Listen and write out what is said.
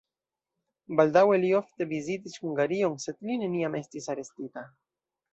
Baldaŭe li ofte vizitis Hungarion, sed li neniam estis arestita.